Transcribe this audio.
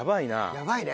やばいね。